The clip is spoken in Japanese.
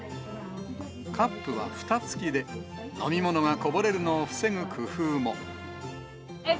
カップはふた付きで、飲み物がこぼれるのを防ぐ工夫も。